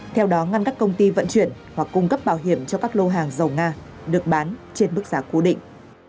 theo đó ngăn các công ty vận chuyển hoặc cung cấp bảo hiểm cho các lô hàng dầu nga được bán trên bức giá cố định